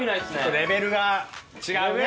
レベルが違うね。